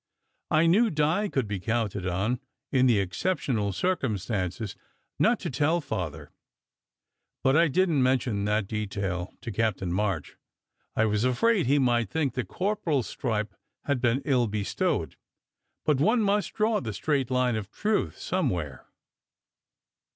I knew Di could be counted on, in the exceptional circumstances, not to tell Father; but I didn t mention that detail to Cap tain March. I was afraid he might think the corporal s stripe had been ill bestowed, but one must draw the straight line of truth somewhere!